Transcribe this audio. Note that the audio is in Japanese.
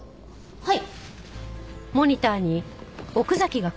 はい。